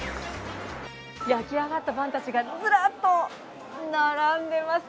焼きあがったパンたちがずらっと並んでいます。